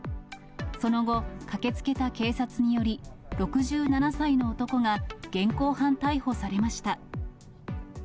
その後、駆けつけた警察により、６７歳の男が現行犯逮捕されました。